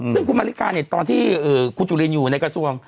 ซึ่งคุณมาริกาเนี่ยตอนที่คุณจุลินอยู่ในกระทรวง